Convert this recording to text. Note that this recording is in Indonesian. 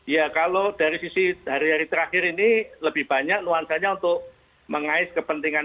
ya kalau dari sisi hari hari terakhir ini lebih banyak nuansanya untuk mengais kepentingan